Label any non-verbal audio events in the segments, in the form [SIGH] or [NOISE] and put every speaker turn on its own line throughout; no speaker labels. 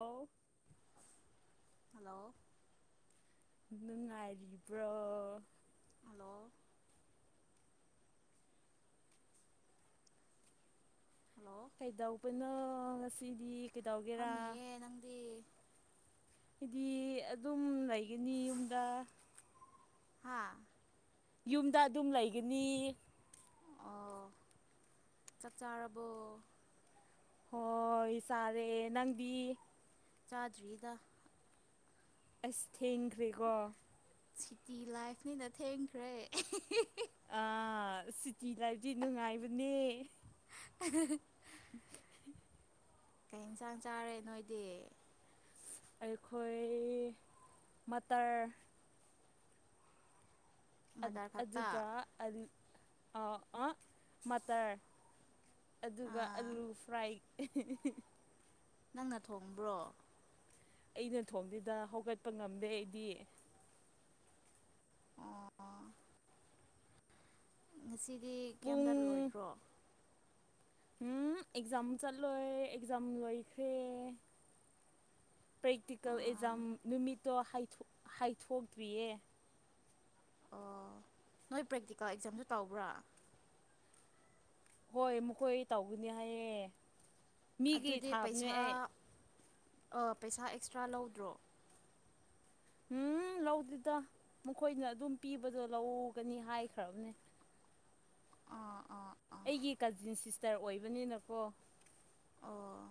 ꯍꯂ
ꯍꯜꯂꯣ
ꯅꯨꯡꯉꯥꯏꯔꯤꯕ꯭ꯔꯣ
hello hello
ꯀꯩꯗꯧꯕꯅ ꯉꯁꯤꯗꯤ ꯀꯩꯗꯧꯒꯦꯔꯥ
ꯐꯃꯤꯌꯦꯦ ꯅꯪꯗꯤ
ꯍꯥꯏꯗꯤ ꯑꯗꯨꯝ ꯂꯩꯒꯅꯤ ꯌꯨꯝꯗ
ꯍꯥꯥ
ꯌꯨꯝꯗ ꯑꯗꯨꯝ ꯂꯩꯒꯅꯤ
ꯑꯣ ꯆꯥꯛ ꯆꯥꯔꯔꯕꯕꯣ
ꯍꯣꯏ ꯆꯥꯔꯦ ꯅꯪꯗꯤ
ꯆꯥꯖꯔꯤꯗ
ꯑꯁ ꯊꯦꯡꯈ꯭ꯔꯦꯀꯣ
ꯁꯤꯇꯤ ꯂꯥꯏꯐꯅꯤꯅ ꯊꯦꯡꯈ꯭ꯔꯦ
ꯑ ꯁꯤꯇꯤ ꯂꯕꯗꯤ ꯅꯨꯡꯉꯥꯏꯕꯅꯦ
[INAUDIBLE] ꯀꯩ ꯌꯦꯟꯁꯥꯡ ꯆꯥꯔꯦ ꯅꯣꯏꯗꯤ
ꯑꯩꯈꯣꯏ ꯃꯇꯔ ꯑ ꯑꯗꯨ
ꯃꯇꯔ ꯈꯛꯇ
ꯑꯗꯨꯒꯒ ꯑꯗꯤ ꯑ ꯑ ꯃꯇꯇꯔ ꯑꯗꯨꯒ
ꯑꯥ
ꯑꯥꯂꯨ ꯐ꯭ꯔꯥꯏ
ꯅꯪꯅ ꯊꯣꯡꯕ꯭ꯔꯣ
ꯑꯩꯅ ꯊꯣꯡꯗꯨꯗ ꯍꯧꯒꯠꯄ ꯉꯝꯗꯦ ꯑꯩꯗꯤ
ꯉꯁꯤ ꯗꯤ
ꯄꯨꯡ
ꯀꯦꯝꯝꯇ ꯂꯣꯏꯗ꯭ꯔꯣ
ꯎꯝ ꯑꯦꯛꯖꯥꯝ ꯆꯠꯂꯣꯏ ꯑꯦꯛꯖꯥꯝ ꯂꯣꯏꯈ꯭ꯔꯦ ꯄ꯭ꯔꯦꯛꯇꯤꯀꯦꯜ
ꯑꯥ
ꯑꯦꯛꯖꯥꯝ ꯅꯨꯃꯤꯠꯇꯣ ꯍꯥꯏꯊꯣꯛꯇ꯭ꯔꯤꯌꯦ
ꯑꯣ ꯅꯣꯏ ꯄ꯭ꯔꯦꯛꯇꯤꯀꯦꯜ ꯑꯦꯛꯖꯥꯝꯁꯨ ꯇꯧꯕ꯭ꯔꯥ
ꯍꯣꯏ ꯃꯈꯣꯏ ꯇꯧꯒꯅꯤ ꯍꯥꯏꯌꯦꯦ ꯃꯤꯒꯤ ꯊꯥꯕꯅꯦ ꯑꯩ
ꯑ ꯄꯩꯁꯥ ꯑꯦꯛꯁꯇ꯭ꯔꯥ ꯂꯧꯗ꯭ꯔꯣ
ꯎꯝ ꯂꯧꯗꯦꯗ ꯃꯈꯣꯏꯅ ꯑꯗꯨꯝ ꯄꯤꯕꯗꯣ ꯂꯧꯒꯅꯤ ꯍꯥꯏꯈ꯭ꯔꯕꯅꯦ
ꯑꯥ ꯑꯥ ꯑꯥ
ꯑꯩꯒꯤ ꯀꯖꯤꯟ ꯁꯤꯁꯇꯔ ꯑꯣꯏꯕꯅꯤꯅꯀꯣ
ꯑꯣ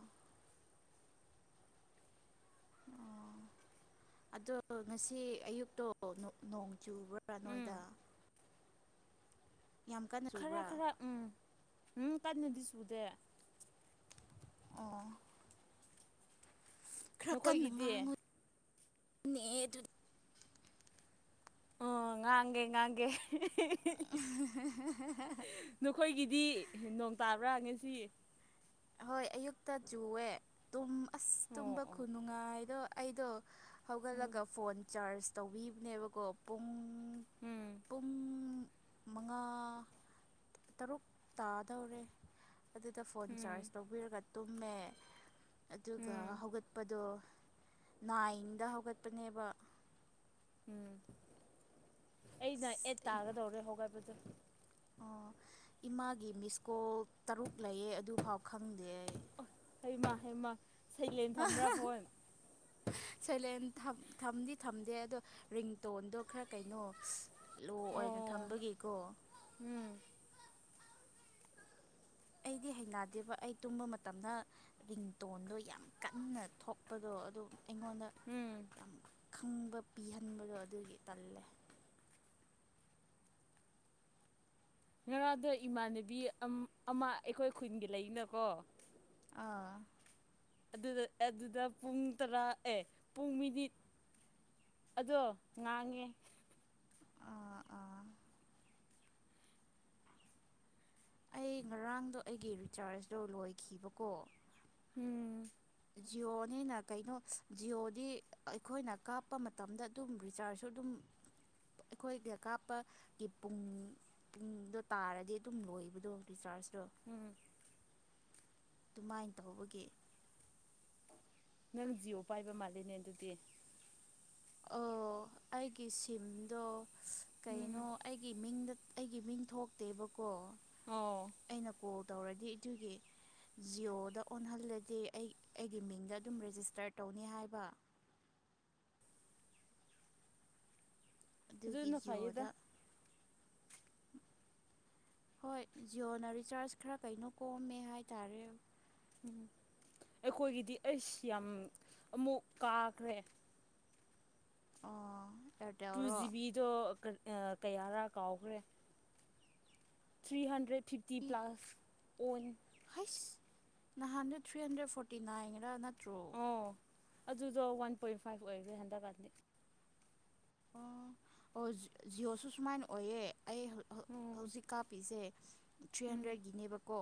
ꯑꯣ ꯑꯗꯣ ꯉꯁꯤ ꯑꯌꯨꯛꯇꯣ ꯅꯣꯡ ꯑꯆꯨꯕꯔ ꯑ
ꯎꯝ
ꯅꯣꯏꯏꯗ
ꯈꯔ
ꯆꯨꯕ꯭ꯔꯥ
ꯈꯔ ꯎꯝ ꯎꯝ ꯇꯥꯗꯅꯗꯤꯁꯨꯕꯨꯗꯦ
ꯑ
ꯅꯈꯣꯏꯒꯤꯗꯤ
ꯌꯦꯠ
ꯑꯣ ꯉꯥꯡꯒꯦ ꯉꯥꯡꯒꯦ
[INAUDIBLE]
ꯗꯤ ꯅꯣꯡ ꯇꯥꯕ꯭ꯔꯥ ꯉꯁꯤ
ꯍꯣꯏ ꯑꯌꯨꯛꯇ ꯆꯨꯑꯦ ꯇꯨꯝ ꯑꯁ
ꯑꯣ
ꯇꯨꯝꯕ
ꯑꯣ
ꯈꯨꯅꯨꯡꯉꯥꯏꯗꯣ ꯑꯩꯗꯣ
ꯎꯝ
ꯍꯧꯒꯠꯂꯒ ꯐꯣꯟ ꯆꯥꯔꯖ ꯇꯧꯕꯤꯕꯅꯦꯕꯀꯣ ꯄꯨꯡ
ꯎꯝ
ꯄꯨꯡ ꯃꯉꯥ ꯇꯔꯨꯛ ꯇꯥꯗꯧꯔꯦ ꯑꯗꯨꯗ ꯐꯣꯟ ꯆꯥꯔꯖ
ꯎꯝ
ꯂꯧꯕꯤꯔꯒ ꯇꯨꯝꯃꯦ ꯑꯗꯨꯒ
ꯎꯝ
ꯍꯧꯒꯠꯄꯗꯣ ꯅꯥꯏꯟꯗ ꯍꯧꯒꯠꯄꯅꯦꯕ
ꯎꯝ ꯑꯩꯅ ꯑꯦꯠ ꯇꯥꯒꯗꯧꯔꯦ ꯍꯧꯣꯒꯥꯏꯕꯗꯨ
ꯑꯣ ꯏꯃꯥꯒꯤ ꯃꯤꯁꯀꯣꯜ ꯇꯔꯨꯛ ꯂꯩꯌꯦ ꯑꯗꯨꯐꯥꯎ ꯈꯪꯗꯦ
ꯍꯃ ꯍꯃ
ꯁꯣꯏꯂꯦꯟ ꯊꯝꯗꯤ ꯊꯝꯗꯦ ꯑꯗꯣ ꯔꯤꯡꯇꯣꯟꯗꯣ ꯈꯔ ꯀꯩꯅꯣ ꯂꯣ ꯑꯣꯏꯅ
ꯑꯣ
ꯊꯝꯕꯒꯤꯀꯣ
ꯎꯝ
ꯑꯩꯗꯤ ꯍꯩꯅꯗꯦꯕ ꯑꯩ ꯇꯨꯝꯕ ꯃꯇꯝꯗ ꯔꯤꯡꯇꯣꯟꯗꯣ ꯌꯥꯝ ꯀꯟꯅ ꯊꯣꯛꯄꯗꯣ ꯑꯗꯨ ꯑꯩꯉꯣꯟꯗ
ꯎꯝ
ꯌꯥꯝ ꯈꯪꯕ ꯄꯤꯍꯟꯕꯗꯣ ꯑꯗꯨꯒꯤ ꯇꯜꯂꯦ
ꯉꯔꯥꯡꯗꯣ ꯏꯃꯥꯟꯅꯕꯤ ꯑꯃ ꯑꯩꯈꯣꯏ ꯈꯨꯟꯒꯤ ꯂꯩꯅꯀꯣ
ꯑꯥ
ꯑꯗꯨꯗ ꯄꯨꯡ ꯇꯔꯥ ꯑꯦ ꯄꯨꯡ ꯃꯤꯅꯤꯠ ꯑꯗꯣ ꯉꯥꯡꯉꯦ
ꯑꯥ ꯑꯥ ꯑꯩ ꯉꯔꯥꯡꯗꯣ ꯑꯩꯒꯤ ꯔꯤꯆꯥꯔꯖꯇꯣ ꯂꯣꯏꯈꯤꯕꯀꯣ
ꯎꯝ
ꯖꯤꯌꯣꯅꯤꯅ ꯀꯩꯅꯣ ꯖꯤꯌꯣꯗꯤ ꯑꯩꯈꯣꯏꯅ ꯀꯥꯞꯄ ꯃꯇꯝꯗ ꯑꯗꯨꯝ ꯔꯤꯆꯥꯔꯖꯁꯨ ꯑꯗꯨꯝ ꯑꯩꯈꯣꯏꯅ ꯀꯥꯞꯄꯒꯤ ꯄꯨꯡ ꯄꯨꯡꯗꯣ ꯇꯥꯔꯗꯤ ꯑꯗꯨꯝ ꯂꯣꯏꯕꯗꯣ ꯔꯤꯆꯥꯔꯖ
ꯎꯝ
ꯑꯗꯨꯃꯥꯏꯅ ꯇꯧꯕꯒꯤ
ꯅꯪ ꯖꯤꯑꯣ ꯄꯥꯏꯕ ꯃꯥꯜꯂꯤꯅꯦ ꯑꯗꯨꯗꯤ
ꯑꯣ ꯑꯩꯒꯤ ꯁꯤꯝꯗꯣ
ꯎꯝ
ꯀꯩꯅꯣ ꯑꯩꯒꯤ ꯃꯤꯡꯗ ꯑꯩꯒꯤ ꯃꯤꯡ ꯊꯣꯛꯇꯦꯕ ꯀꯣ
ꯑꯣ
ꯑꯩꯅ ꯀꯣ ꯇꯧꯔꯗꯤ ꯑꯗꯨꯒꯤ ꯖꯤꯑꯣꯗ ꯑꯣꯟꯍꯜꯂꯗꯤ ꯑꯩ ꯑꯩꯒꯤ ꯃꯤꯡꯗ ꯑꯗꯨꯝ ꯔꯦꯖꯤꯁꯇꯔ ꯇꯧꯅꯤ ꯍꯥꯏꯕ ꯑꯗꯨꯒꯤ
ꯑꯗꯨꯅ ꯐꯩꯌꯦꯗ
ꯖꯤꯑꯣꯗ ꯍꯣꯏ ꯖꯤꯑꯣꯅ ꯔꯤꯆꯥꯔꯖ ꯈꯔ ꯀꯩꯅꯣ ꯀꯣꯝꯃꯦ ꯍꯥꯏꯇꯥꯔꯦ
ꯎꯝ ꯑꯩꯈꯣꯏꯒꯤꯗꯤ ꯑꯩꯁ ꯌꯥꯝ ꯑꯃꯨꯛ ꯀꯥꯈ꯭ꯔꯦ
ꯑꯣ
ꯇꯨ
ꯑꯦꯌꯥꯔꯇꯦꯜꯔꯣ
ꯖꯤꯕꯤꯗ ꯀꯌꯥꯔꯥ ꯀꯥꯎꯈ꯭ꯔꯦ ꯊ꯭ꯔꯤ ꯍꯟꯗ꯭ꯔꯦꯠ ꯐꯤꯐꯇꯤ
ꯏ
ꯄ꯭ꯂꯥꯁ ꯑꯣꯟ
ꯅꯍꯥꯟꯗꯨ ꯊ꯭ꯔꯤ ꯍꯟꯗ꯭ꯔꯦꯠ ꯐꯣꯔꯇꯤ ꯅꯥꯏꯟꯔꯥ ꯅꯠꯇ꯭ꯔꯣ
ꯑꯣ ꯑꯗꯨꯗꯣ ꯋꯥꯟ ꯄꯣꯏꯟ ꯐꯥꯏꯚ ꯑꯣꯏꯔꯦ ꯍꯟꯗꯛꯀꯠꯅꯤ
ꯑꯣ ꯑꯣ ꯖꯤꯑꯣꯁꯨ ꯁꯨꯃꯥꯏꯅ ꯑꯣꯏꯌꯦ ꯑꯩ
ꯎꯝ
ꯍꯧꯖꯤꯛ ꯀꯥꯞꯄꯤꯁꯦ ꯊ꯭ꯔꯤ
ꯎꯝ
ꯍꯟꯗ꯭ꯔꯦꯗꯀꯤꯅꯦꯕꯀꯣ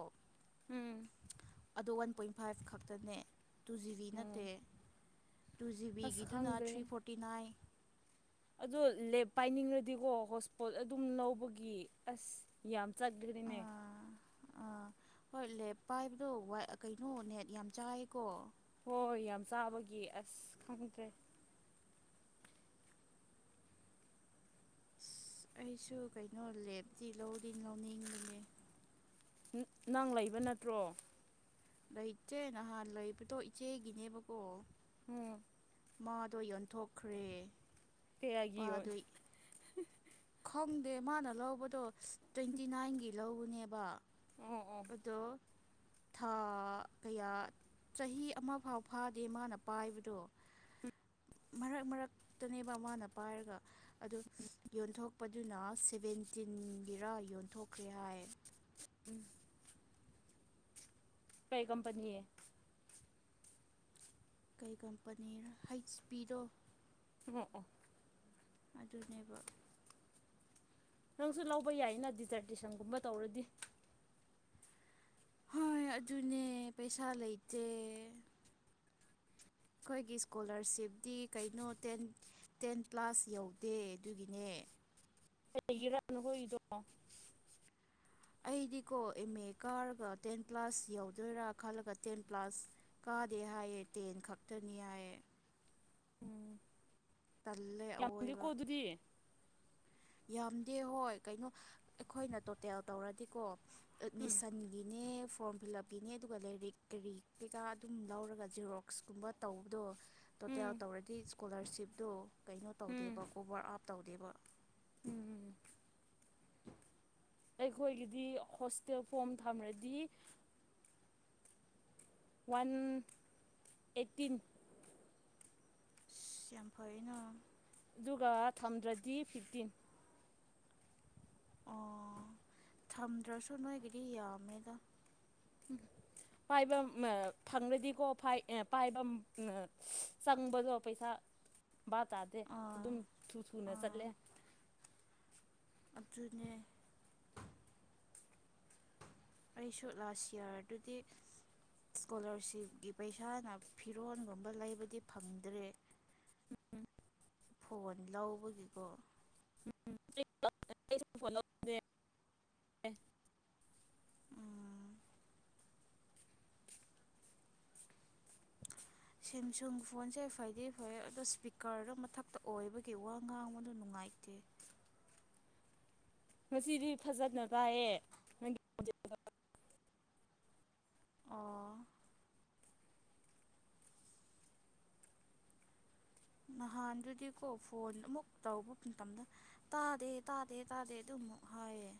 ꯎꯝ
ꯑꯗꯣ ꯋꯥꯟ ꯄꯣꯏꯟ ꯐꯥꯏꯚ ꯈꯛꯇꯅꯦ ꯇꯨ ꯖꯤꯕꯤ
ꯎꯝ
ꯅꯠꯇꯦ ꯇꯨ
ꯑꯁ
ꯖꯤꯕꯤꯒꯤꯗꯨꯅ
ꯈꯪꯗ꯭ꯔꯦ
ꯊ꯭ꯔꯤ ꯐꯣꯔꯇꯤ ꯅꯥꯏꯟ
ꯑꯗꯣ ꯄꯥꯏꯅꯤꯡꯉꯗꯤꯀꯣ ꯍꯣꯠꯁꯄꯣꯠ ꯑꯗꯨꯝ ꯂꯧꯕꯒꯤ ꯑꯁ ꯌꯥꯝ ꯆꯠꯈ꯭꯭ꯔꯔꯤꯅꯦ
ꯑꯥ ꯑꯥ ꯍꯣꯏ ꯂꯦꯞ ꯄꯥꯏꯕꯗꯣ ꯀꯩꯅꯣ ꯅꯦꯠ ꯌꯥꯝ ꯆꯥꯏꯌꯦꯀꯣ
ꯍꯣꯏ ꯌꯥꯝ ꯆꯥꯕꯒꯤ ꯑꯁ ꯈꯪꯗ꯭ꯔꯦ
ꯑꯁ ꯑꯩꯁꯨ ꯀꯩꯅꯣ ꯂꯦꯞꯇꯤ ꯂꯧꯔꯤ ꯂꯧꯅꯤꯡꯕꯅꯦ
ꯅꯪ ꯂꯩꯕ ꯅꯠꯇ꯭ꯔꯣ
ꯂꯩꯆꯦ ꯅꯍꯥꯟ ꯂꯩꯕꯗꯣ ꯏꯆꯦꯒꯤꯅꯦꯕꯀꯣ
ꯎꯝ
ꯃꯥꯗꯣ ꯌꯣꯟꯊꯣꯛꯈ꯭ꯔꯦ
ꯀ ꯍꯥꯏꯒꯤ ꯌ
ꯃꯥꯗꯣ ꯈꯪꯗꯦ ꯃꯥꯅ ꯂꯧꯕꯗꯣ ꯇ꯭ꯋꯦꯟꯇꯤ ꯅꯥꯏꯟꯒꯤ ꯂꯧꯧꯕꯅꯦꯕ
ꯑꯣ ꯑꯣ
ꯑꯗꯣ ꯊꯥ ꯀꯌꯥ ꯆꯍꯤ ꯑꯃ ꯐꯥꯎ ꯐꯥꯗꯦ ꯃꯥꯅ ꯄꯥꯏꯕꯗꯣ ꯃꯔꯛ ꯃꯔꯛꯇꯅꯦꯕ ꯃꯥꯅ ꯄꯥꯏꯔꯒ ꯑꯗꯨ ꯌꯣꯟꯊꯣꯛꯄꯗꯨꯅ ꯁꯕꯦꯟꯇꯤꯟꯒꯤꯔꯥ ꯌꯣꯟꯊꯣꯛꯈ꯭ꯔꯦ ꯍꯥꯏ
ꯎꯝ ꯀꯩ ꯀꯝꯄꯅꯤ ꯑꯦ
ꯀꯩ ꯀꯝꯄꯅꯤꯔ ꯍꯩꯆ ꯄꯤꯗꯣ
ꯁꯣꯛꯑꯣ
ꯑꯗꯨꯅꯦꯕ꯫
ꯅꯪꯁꯨ ꯂꯧꯕ ꯌꯥꯏꯅ ꯗꯤꯖꯔꯗꯦꯁꯟꯒꯨꯝꯕ ꯇꯧꯔꯗꯤ꯫
ꯍꯣꯏ ꯑꯗꯨꯅꯦ ꯄꯩꯁꯥ ꯂꯩꯇꯦ꯫ ꯑꯩꯈꯣꯏꯒꯤ ꯏꯁꯀꯣꯂꯔꯁꯤꯞꯇꯤ ꯀꯩꯅꯣ ꯇꯦꯟ ꯇꯦꯟ ꯄ꯭ꯂꯁ ꯌꯧꯗꯦ ꯑꯗꯨꯒꯤꯅꯦ꯫
ꯀꯔꯤꯒꯤꯔꯥ ꯅꯈꯣꯏꯒꯤꯗꯣ꯫
ꯑꯩꯗꯤꯀꯣ ꯑꯦꯝ ꯑꯦ ꯀꯥꯔꯒ ꯇꯦꯟ ꯄ꯭ꯂꯁ ꯌꯧꯗꯣꯏꯔꯥ ꯈꯜꯂꯒ ꯇꯦꯟ ꯄ꯭ꯂꯁ ꯀꯥꯗꯦ ꯍꯥꯏꯌꯦ ꯇꯦꯟ ꯈꯛꯇꯅꯤ ꯍꯥꯏꯌꯦ꯫
ꯎꯝ꯫
ꯇꯜꯂꯦ
ꯌꯥꯝꯗꯦꯀꯣ
ꯑꯑꯣꯏꯕ
ꯑꯗꯨꯗꯤ꯫
ꯌꯥꯝꯗꯦ ꯍꯣꯏ ꯀꯩꯅꯣ ꯑꯩꯈꯣꯏꯅ ꯇꯣꯇꯦꯜ ꯇꯧꯔꯗꯤꯀꯣ꯫
ꯎꯝ
ꯑꯦꯠꯃꯤꯁꯟꯒꯤꯅꯦ꯫ ꯐꯣꯝ ꯐꯤꯜ ꯑꯞ ꯀꯤꯅꯦ ꯑꯗꯨꯒ ꯂꯥꯏꯔꯤꯛ ꯀꯔꯤ ꯀꯩꯀꯥ ꯑꯗꯨꯝ ꯂꯧꯔꯒ ꯖꯦꯔꯣꯛꯁꯀꯨꯝꯕ ꯇꯧꯕꯗꯣ ꯇꯣꯇꯦꯜ
ꯎꯝ
ꯇꯧꯔꯗꯤ ꯏꯁꯀꯣꯂꯥꯔꯁꯤꯞꯇꯨ ꯀꯩꯅꯣ ꯇꯧꯗꯦꯕ ꯑꯣꯕꯔ ꯑꯞ ꯇꯧꯗꯦꯕ꯫
ꯎꯝꯝ꯫ ꯑꯩꯈꯣꯏꯒꯤꯗꯤ ꯍꯣꯁꯇꯦꯜ ꯐꯣꯝ ꯊꯝꯃꯔꯗꯤ ꯋꯥꯟ ꯑꯦꯠꯇꯤꯟ
ꯑꯁ ꯌꯥꯝ ꯐꯩꯩꯅ꯫
ꯑꯗꯨꯒ ꯊꯝꯗ꯭ꯔꯗꯤ ꯐꯤꯐꯇꯤꯟ꯫
ꯑꯣ ꯊꯝꯗ꯭ꯔꯁꯨ ꯅꯣꯏꯒꯤꯗꯤ ꯌꯥꯝꯃꯦꯗ꯫
ꯄꯥꯏꯕ ꯎꯝꯑ ꯐꯪꯂꯗꯤꯀꯣ ꯄꯥꯏꯕ ꯆꯪꯕꯗꯣ ꯄꯩꯁꯥ ꯚꯥꯞ ꯇꯥꯗꯦ
ꯑꯥ
ꯑꯗꯨꯝ ꯊꯨ ꯊꯨꯅ
ꯑꯥ
ꯆꯠꯂꯦ꯫
ꯑꯗꯨꯅꯦ꯫ ꯑꯩꯁꯨ ꯂꯥꯁ ꯏꯌꯥꯔꯗꯨꯗꯤ ꯏꯁꯀꯣꯂꯥꯔꯁꯤꯞꯀꯤ ꯄꯩꯁꯥꯅ ꯐꯤꯔꯣꯜꯒꯨꯝꯕ ꯂꯩꯕꯗꯤ ꯐꯪꯗ꯭ꯔꯦ꯫
[UNINTELLIGIBLE]
ꯐꯣꯟ ꯂꯧꯕꯒꯤꯀꯣ꯫
[UNINTELLIGIBLE]
ꯎꯝ ꯁꯦꯝꯁꯨꯡ ꯐꯣꯟꯁꯦ ꯐꯗꯤ ꯐꯩ ꯑꯗꯣ ꯏꯁꯄꯤꯀꯔꯗꯣ ꯃꯊꯛꯇ ꯑꯣꯏꯕꯒꯤ ꯋꯥ ꯉꯥꯡꯕꯗ ꯅꯨꯡꯉꯥꯏꯇꯦ꯫
ꯉꯁꯤꯗꯤ ꯐꯖꯅ ꯇꯥꯏꯌꯦ ꯅꯪꯒꯤ [UNINTELLIGIBLE]
ꯑꯣ꯫ ꯅꯍꯥꯟꯗꯨꯗꯤꯀꯣ ꯐꯣꯟ ꯑꯃꯨꯛ ꯇꯧꯕ ꯃꯇꯝꯗ ꯇꯥꯗꯦ ꯇꯥꯗꯦ ꯇꯥꯗꯦ ꯑꯗꯨꯝ ꯍꯥꯏꯌꯦ꯫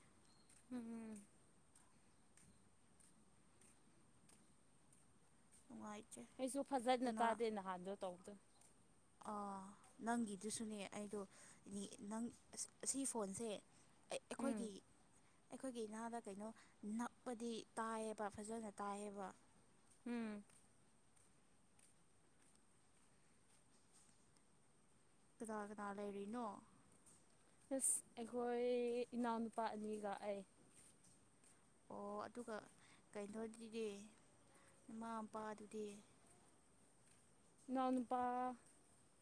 ꯎꯝ꯫
[UNINTELLIGIBLE]
ꯑꯩꯁꯨ ꯐꯖꯅ
ꯀꯅꯥ
ꯇꯥꯗꯦ ꯅꯍꯥꯟꯗꯣ꯫ ꯇꯧꯗꯦ꯫
ꯑ ꯅꯪꯒꯤꯗꯨꯁꯨꯅꯦ ꯑꯩꯗꯣ [UNINTELLIGIBLE] ꯅꯪ ꯁꯤ ꯐꯣꯟꯁꯦ
ꯎꯝ
ꯑꯩꯈꯣꯏꯒꯤ ꯑꯩꯈꯣꯏꯒꯤ ꯏꯅꯥꯗ ꯀꯩꯅꯣ ꯅꯞꯄꯗꯤ ꯇꯥꯏꯌꯦꯕ ꯐꯖꯅ ꯇꯥꯏꯌꯦꯕ꯫
ꯎꯝ꯫
ꯀꯅꯥ ꯀꯅꯥ ꯂꯩꯔꯤꯅꯣ꯫
ꯑꯁ ꯑꯩꯈꯣꯏ ꯏꯅꯥꯎꯅꯨꯄꯥ ꯑꯅꯤꯒ ꯑꯩ꯫
ꯑꯣ ꯑꯗꯨꯒ ꯀꯩꯅꯣꯗꯨꯗꯤ ꯃꯥ ꯃꯄꯥꯗꯨꯗꯤ꯫
ꯏꯅꯥꯎꯅꯨꯄꯥ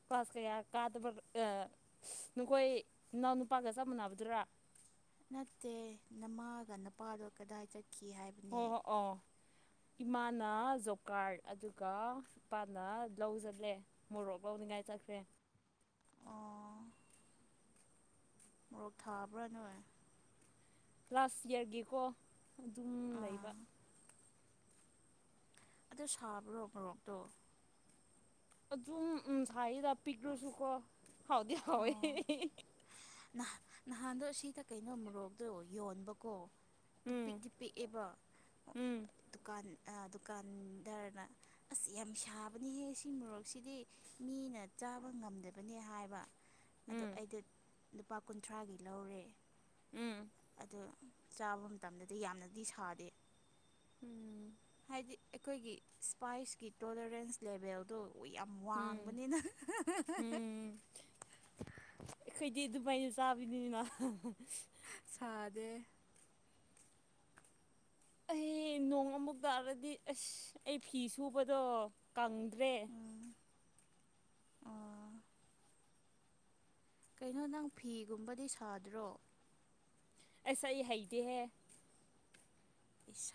ꯀ꯭ꯂꯥꯁ ꯀꯌꯥ ꯀꯥꯗꯕ ꯅꯈꯣꯏ ꯏꯅꯥꯎꯅꯨꯄꯥꯒ ꯆꯞ ꯃꯥꯟꯅꯕꯗꯨꯔꯥ꯫
ꯅꯠꯇꯦ ꯅꯃꯥꯒ ꯅꯄꯥꯗꯣ ꯀꯗꯥꯏ ꯆꯠ ꯀꯤ ꯍꯥꯏꯕꯅꯦ꯫
ꯍꯣꯏ ꯍꯣꯏ ꯑꯣ ꯏꯃꯥꯅ ꯖꯣꯕ ꯀꯥꯔꯠ ꯑꯗꯨꯒ ꯏꯄꯥꯅ ꯂꯧꯖꯠꯂꯦ ꯃꯣꯔꯣꯛ ꯂꯧꯅꯤꯡꯉꯥꯏ ꯆꯠꯈ꯭ꯔꯦ꯫
ꯑꯣ ꯃꯣꯔꯣꯛ ꯊꯥꯕ꯭ꯔꯥ ꯅꯣꯏ
ꯂꯥꯁ ꯏꯌꯥꯔꯒꯤꯀꯣ ꯑꯗꯨꯝ ꯂꯩꯕ
ꯑꯥ ꯑꯗꯨ ꯁꯥꯕ꯭ꯔꯣ ꯃꯣꯔꯣꯛꯇꯣ
ꯑꯗꯨ ꯎꯝ ꯊꯥꯏꯗ ꯄꯤꯒ꯭ꯔꯨꯁꯨ ꯀꯣ ꯍꯥꯎꯗꯤ ꯍꯥꯎꯋꯦ
ꯅꯍꯥꯟ ꯅꯍꯥꯟꯗꯣ ꯁꯤꯗ ꯀꯩꯅꯣ ꯃꯣꯔꯣꯛꯇꯣ ꯌꯣꯟꯕꯀꯣ ꯑꯗꯨ
ꯎꯝ
ꯄꯤꯛꯗꯤ ꯄꯤꯛꯑꯦꯕ
ꯎꯝ
ꯗꯨꯀꯥꯟ ꯗꯨꯀꯥꯟꯗꯔꯅ ꯑꯁ ꯌꯥꯝ ꯁꯥꯕꯅꯤꯍꯦ ꯁꯤ ꯃꯣꯔꯣꯛꯁꯤꯗꯤ ꯃꯤꯅ ꯆꯥꯕ ꯉꯝꯗꯕꯅꯦ ꯍꯥꯏꯕ ꯑꯗꯣ
ꯎꯝ
ꯑꯩꯗꯤ ꯂꯨꯄꯥ ꯀꯨꯟꯊ꯭ꯔꯥꯒꯤ ꯂꯧꯔꯦ
ꯎꯝ
ꯑꯗꯨ ꯆꯥꯕ ꯃꯇꯝꯗꯗꯤ ꯌꯥꯝꯅꯗꯤ ꯁꯥꯗꯦ
ꯎꯝ
ꯍꯥꯏꯗꯤ ꯑꯩꯈꯣꯏꯒꯤ ꯏꯁꯄꯥꯏꯁꯀꯤ ꯇꯣꯂꯔꯦꯟꯁ ꯂꯦꯚꯦꯜꯗꯨꯣ ꯍ ꯌꯥꯝ
ꯎꯝ
ꯋꯥꯡꯕꯅꯤꯅ
ꯎꯝ ꯃꯩ ꯆꯕꯤꯅꯤꯅ
ꯁꯥꯠ ꯗꯦ
ꯑꯩ ꯅꯣꯡ ꯑꯃꯨꯛ ꯇꯥꯔꯗꯤ ꯑꯁ ꯑꯩ ꯐꯤ ꯁꯨꯕꯗꯣ ꯀꯪꯦ ꯇꯦ
ꯎꯝ ꯑꯣ ꯀꯩꯅꯣ ꯅꯪ ꯐꯤꯒꯨꯝꯕꯗꯤ ꯁꯥꯗ꯭ꯔꯣ
ꯑꯦꯁꯥ ꯏꯍꯗꯤ ꯍ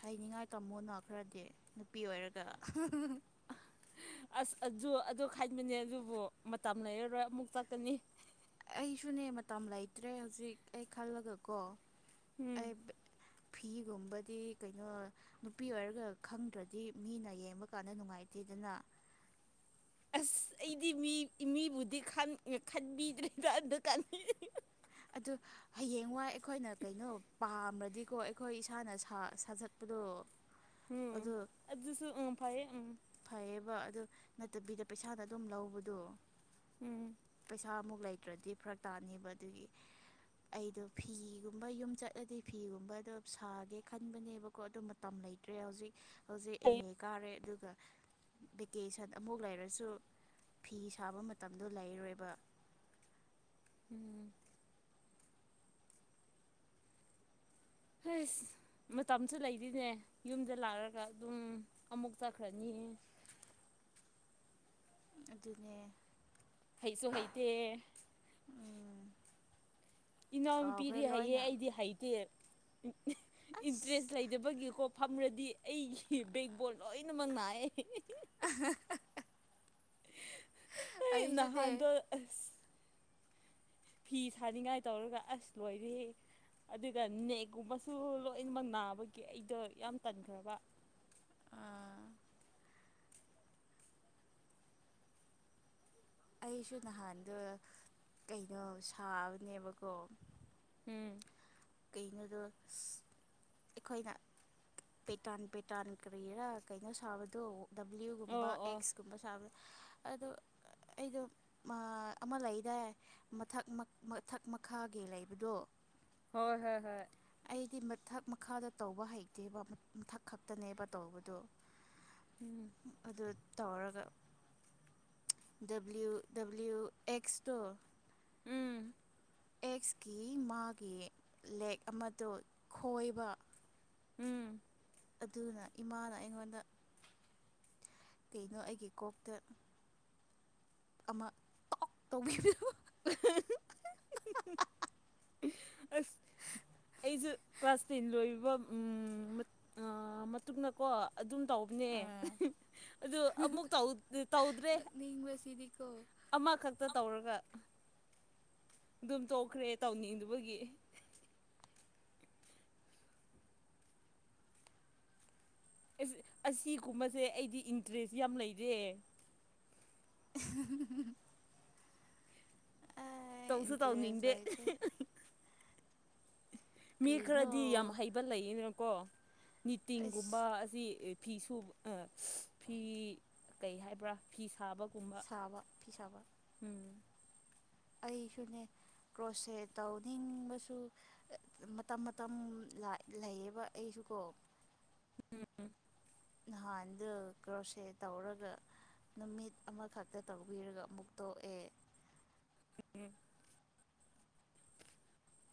ꯍꯥꯏꯅꯤꯡꯉꯥꯏ ꯇꯥꯃꯣꯅꯣ ꯈꯔꯗꯤ ꯅꯨꯄꯤ ꯑꯣꯏꯔꯒ
ꯑꯁ ꯑꯗꯨ ꯑꯗꯨ ꯈꯥꯏꯕꯅꯦ ꯑꯗꯨꯕꯨ ꯃꯇꯝ ꯂꯩꯔꯔꯣꯏ ꯑꯃꯨꯛ ꯆꯠꯀꯅꯤ
ꯑꯩꯁꯨꯅꯦ ꯃꯇꯝ ꯂꯩꯇ꯭ꯔꯦ ꯍꯧꯖꯤꯛ ꯑꯩ ꯈꯜꯂꯒ ꯀꯣ
ꯎꯝ
ꯐꯤꯒꯨꯝꯕꯗꯤ ꯀꯩꯅꯣ ꯅꯨꯄꯤ ꯑꯣꯏꯔꯒ ꯈꯪꯗ꯭ꯔꯗꯤ ꯃꯤꯅ ꯌꯦꯡꯕ ꯀꯥꯟꯗ ꯅꯨꯡꯉꯥꯏꯇꯦꯗꯅ
ꯑꯁ ꯑꯩꯗꯤ ꯃꯤ ꯃꯤꯕꯨꯗꯤ ꯈꯟꯕꯤꯗ꯭ꯔꯦꯕ ꯑꯝꯗ ꯀꯥꯟꯕꯤꯗ
ꯑꯗꯨ ꯍꯌꯦꯡꯋꯥꯏ ꯑꯩꯈꯣꯏꯅ ꯀꯩꯅꯣ ꯄꯥꯝ꯭ꯔꯗꯤꯀꯣ ꯑꯩꯈꯣꯏ ꯏꯁꯥꯅ ꯁꯥꯖꯠꯄꯗꯣ
ꯎꯝ
ꯑꯗꯨ
ꯑꯗꯨ ꯑꯗꯨꯁꯨ ꯎ ꯐꯥꯏꯌꯦ ꯎꯝ
ꯐꯩꯌꯦꯕ ꯑꯗꯨ ꯅꯠꯇꯕꯤꯗ ꯄꯩꯁꯥꯗ ꯑꯗꯨꯝ ꯂꯧꯕꯗꯣ
ꯎꯝ
ꯄꯩꯁꯥ ꯃꯨꯒꯂ ꯅꯠꯇ꯭ꯔꯗꯤ ꯐꯔꯛ ꯇꯥꯅꯦꯕ ꯑꯗꯨꯒꯤ ꯑꯩꯗꯣ ꯐꯤꯒꯨꯝꯕ ꯌꯨꯝ ꯆꯠꯂꯗꯤ ꯐꯤꯒꯨꯝꯕꯗꯣ ꯁꯥꯒꯦ ꯈꯟꯕꯅꯦꯕꯀꯣ ꯑꯗꯨ ꯃꯇꯝ ꯂꯩꯇ꯭ꯔꯦ ꯍꯧꯖꯤꯛ ꯍꯧꯖꯤꯛ ꯑꯦꯝ ꯑꯦ ꯀꯥꯔꯦ ꯑꯗꯨꯒ ꯚꯦꯀꯦꯁꯟ ꯑꯃꯨꯛ ꯂꯩꯔꯁꯨ ꯐꯤ ꯁꯥꯕ ꯃꯇꯝꯗꯣ ꯂꯩꯔꯣꯏꯕ
ꯎꯝ ꯍꯁ ꯃꯇꯝꯁꯨ ꯂꯩꯔꯤꯅꯦ ꯌꯨꯝꯗ ꯂꯥꯛꯑꯒ ꯑꯗꯨꯝ ꯑꯃꯨꯛ ꯆꯠꯈ꯭ꯔꯅꯤ
ꯑꯗꯨꯅꯦ
ꯍꯩꯁꯨꯣ ꯍꯩꯇ
ꯎꯝ ꯀꯥꯎꯈ꯭ꯔꯦ
ꯏꯅꯥꯎꯅꯨꯄꯤꯗꯤ ꯍꯩꯌꯦ
ꯂꯣꯏꯅ
ꯑꯩꯗꯤ ꯍꯩꯇꯦ ꯏꯟꯇ꯭ꯔꯦꯁ
ꯑꯁ
ꯂꯩꯇꯕꯒꯤ ꯈꯣ ꯐꯝꯔꯗꯤ ꯑꯩꯒꯤ ꯕꯦꯛꯕꯣꯜ ꯂꯣꯏꯅꯃꯛ ꯅꯥꯏꯌꯦ
ꯑ
ꯑꯩ ꯅꯍꯥꯟꯗ ꯑ ꯐꯤ ꯁꯥꯅꯤꯡꯉꯥꯏ ꯇꯧꯔꯒ ꯑꯁ ꯂꯣꯏꯔꯍꯦ ꯑꯗꯨꯒ ꯅꯦꯛꯀꯨꯝꯕꯁꯨ ꯂꯣꯏꯅꯃꯛ ꯅꯥꯕꯒꯤ ꯑꯩꯗꯣ ꯌꯥꯝ ꯇꯟꯈ꯭ꯔꯕ
ꯑ ꯑꯩꯁꯨ ꯅꯍꯥꯟꯗꯣ ꯀꯩꯅꯣ ꯁꯥꯕꯅꯦꯕꯀꯣ
ꯎꯝ
ꯀꯩꯅꯣꯗꯣ ꯑꯩꯈꯣꯏꯅ ꯄꯦꯇꯟ ꯄꯦꯇꯟ ꯀꯔꯤꯔꯥ ꯀꯩꯅꯣ ꯁꯥꯕꯗꯣ ꯗꯕ꯭ꯂꯤꯎꯒꯨꯝꯕ
ꯑꯣ ꯑꯣ
ꯑꯦꯛꯁꯀꯨꯝꯕ ꯁꯥ ꯑꯗꯨ ꯑꯩꯗꯣ ꯑꯃ ꯂꯩꯗꯥꯏ ꯃꯊꯛ ꯃꯊꯛ ꯃꯈꯥꯒꯤ ꯂꯩꯕꯗꯣ
ꯍꯣꯏ ꯍꯣꯏ ꯍꯣꯏ
ꯑꯩꯗꯤ ꯃꯊꯛ ꯃꯈꯥꯗ ꯇꯧꯕ ꯍꯩꯇꯦꯕ ꯃꯊꯛ ꯈꯛꯇꯅꯦꯕ ꯇꯧꯕꯗꯣ
ꯎꯝ
ꯑꯗꯨ ꯇꯧꯔꯒ ꯗꯕꯂꯤꯎ ꯗꯕ꯭ꯂꯤꯎ ꯑꯦꯛꯁꯇꯣ
ꯎꯝ
ꯑꯦꯛꯁꯀꯤ ꯃꯥꯒꯤ ꯂꯦꯛ ꯑꯃꯗ ꯈꯣꯏꯕ
ꯎꯝ
ꯑꯗꯨꯅ ꯏꯃꯥꯅ ꯑꯩꯉꯣꯟꯗ ꯀꯩꯅꯣ ꯑꯩꯒꯤ ꯀꯣꯛꯇ ꯑꯃ ꯇꯧꯕꯤ
ꯑ ꯑꯩꯁꯨ ꯀ꯭ꯂꯥꯁ ꯇꯦꯟ ꯂꯣꯏꯕ ꯃꯇꯨꯡꯟꯅꯀꯣ ꯑꯗꯨꯝ ꯇꯧꯕꯅꯦ ꯑꯗꯨ ꯑꯃꯨꯛ ꯇꯧꯗ꯭ꯔꯦ
ꯅꯣꯛꯅꯤꯡꯕꯁꯤꯗꯤꯀꯣ
ꯑꯃꯈꯛꯇ ꯇꯧꯔꯒ ꯑꯗꯨꯝ ꯇꯣꯛꯈ꯭ꯔꯦ ꯇꯧꯅꯤꯡꯗꯨꯕꯒꯤ ꯑꯁꯤꯒꯨꯝꯕꯁꯦ ꯑꯩꯗꯤ ꯏꯟꯇꯔꯦꯁ ꯌꯥꯝ ꯂꯩꯔꯦ
ꯎ
ꯇꯧꯁꯨ
ꯏꯟꯇꯔꯦꯁ
ꯇꯧꯅꯤꯡꯗꯦ
ꯂꯩꯇꯦ
ꯃꯤ
ꯀꯔꯤꯅꯣ
ꯈꯔꯗꯤ ꯌꯥꯝ ꯍꯩꯕ ꯂꯩꯌꯦꯅꯀꯣ
ꯑꯁ
ꯅꯤꯇꯤꯡꯒꯨꯝꯕ ꯑꯁꯤ ꯐꯤ ꯁꯨꯕ ꯐꯤ ꯀꯩ ꯍꯥꯏꯕ꯭ꯔꯥ ꯐꯤ ꯁꯥꯕ
ꯁꯥꯕ ꯐ ꯁꯥꯕ ꯑꯩꯁꯨꯅꯦ ꯀ꯭ꯔꯣꯁꯁꯦ ꯇꯧꯅꯤꯡꯕꯁꯨ ꯃꯇꯝ ꯃꯇꯝ ꯂꯩꯌꯦꯕ ꯑꯩꯁꯨꯀꯣ ꯅꯍꯥꯟꯗ ꯀ꯭ꯔꯣꯁꯦ ꯇꯧꯔꯒ ꯅꯨꯃꯤꯠ ꯑꯃꯈꯛꯇ ꯇꯧꯕꯤꯔꯒ ꯑꯃꯨꯛ ꯇꯣꯛꯑꯦ
ꯎ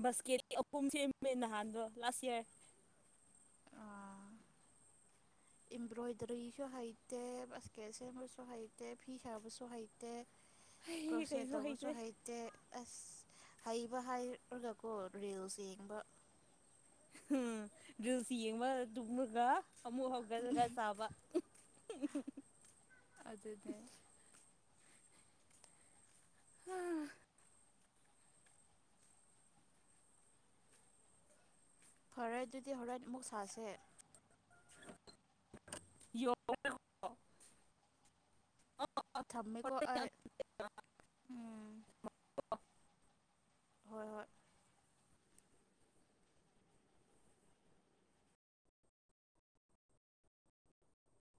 ꯕꯥꯁꯀꯦꯔꯤ ꯑꯄꯨꯝ ꯁꯦꯝꯃꯦ ꯅꯍꯥꯟꯗꯣ ꯂꯥꯁ ꯏꯌꯥꯔ
ꯑ ꯏꯝꯕ꯭ꯔꯣꯏꯗꯔꯤꯁꯨ ꯍꯩꯇꯦ ꯏꯁꯕꯁꯀꯦꯠ ꯁꯦꯝꯕꯁꯨ ꯍꯩꯇꯦ ꯐꯤ ꯁꯥꯕꯁꯨ ꯍꯩꯇꯦ
ꯑꯩ
ꯀꯣꯁꯦ
ꯀꯩꯁꯨ ꯍꯩꯇꯦ
ꯇꯧꯕꯁꯨꯣ ꯍꯥꯏꯩꯗꯤ ꯑꯁ ꯍꯩꯕ ꯍꯥꯏꯔꯒꯀꯣ ꯔꯦꯜꯁ ꯌꯦꯡꯕ
ꯎꯝ ꯁꯤ ꯌꯦꯡꯕ ꯇꯃꯒ ꯑꯃꯃꯨ ꯍꯒꯗꯨꯒ ꯁꯥꯕ [INAUDIBLE]
ꯑꯗꯨꯗꯅꯦ ꯐꯔꯦ ꯑꯗꯨꯗꯤ ꯍꯣꯔꯦꯟ ꯑꯃꯨꯛ ꯁꯥꯁꯦ꯫
[UNINTELLIGIBLE]
ꯊꯝꯃꯦꯀꯣ ꯑꯩ ꯎꯝ꯫ ꯍꯣꯏ- ꯍꯣꯏ꯫